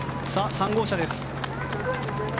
３号車です。